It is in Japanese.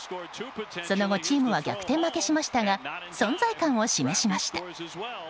その後チームは逆転負けしましたが存在感を示しました。